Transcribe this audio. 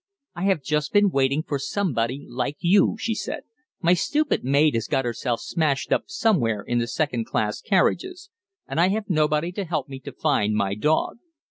"'I have just been waiting for somebody like you,' she said. 'My stupid maid has got herself smashed up somewhere in the second class carriages, and I have nobody to help me to find my dog.'